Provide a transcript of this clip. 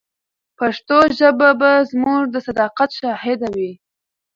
پښتو ژبه به زموږ د صداقت شاهده وي.